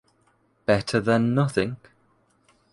Better than nothing.